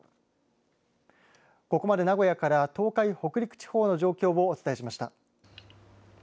ここまで名古屋から東海、北陸地方の状況をお伝えしました。